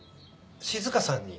静香さんに？